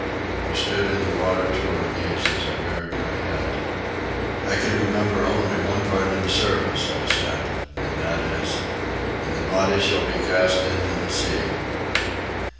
We stood in the water to our knees as I bared my head. "I remember only one part of the service," I said, "and that is, 'And the body shall be cast into the sea.